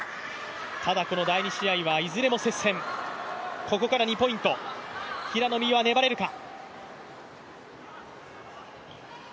ただこの第２試合はいずれも接戦、ここから２ポイント平野美宇は粘れるか。